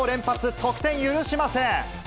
得点許しません。